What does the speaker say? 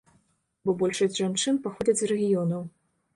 Бо большасць жанчын паходзяць з рэгіёнаў.